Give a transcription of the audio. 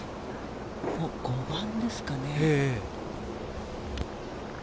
５番ですかね。